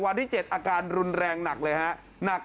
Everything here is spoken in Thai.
วันที่๗อาการรุนแรงหนักเลยฮะหนัก